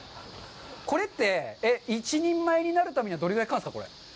これって、一人前になるためにはどれぐらいかかるんですか。